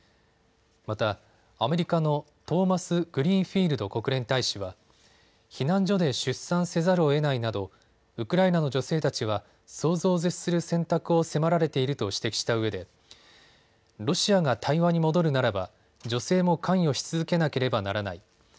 また、アメリカのトーマスグリーンフィールド国連大使は避難所で出産せざるをえないなどウクライナの女性たちは想像を絶する選択を迫られていると指摘したうえでロシアが対話に戻るならば女性も関与し続けなければならない。